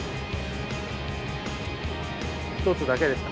１つだけでした。